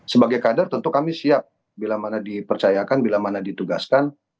sebagai kader tentu kami siap bila mana dipercayakan bila mana ditugaskan